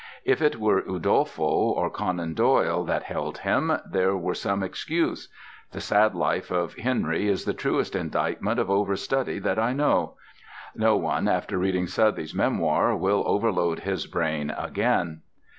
If it were Udolpho or Conan Doyle that held him, there were some excuse. The sad life of Henry is the truest indictment of overstudy that I know. No one, after reading Southey's memoir, will overload his brain again.